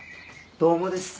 どうもです。